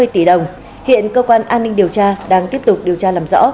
một trăm năm mươi tỷ đồng hiện cơ quan an ninh điều tra đang tiếp tục điều tra làm rõ